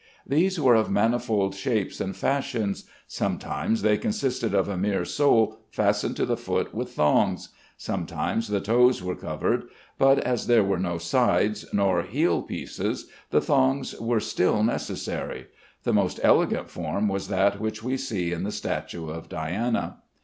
These were of manifold shapes and fashions; sometimes they consisted of a mere sole fastened to the foot with thongs; sometimes the toes were covered, but as there were no sides nor heel piece the thongs were still necessary. The most elegant form was that which we see in the statue of Diana.